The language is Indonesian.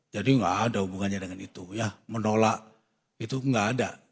jadi enggak ada hubungannya dengan itu ya menolak itu enggak ada